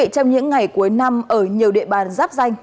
trong những ngày cuối năm ở nhiều địa bàn giáp danh